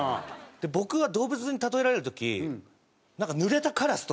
僕は動物に例えられる時なんか濡れたカラスとか。